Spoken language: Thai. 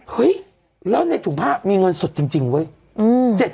เฮ้ยแล้วในถุงผ้ามีเงินสดจริงเว้ย